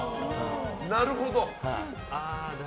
なるほど！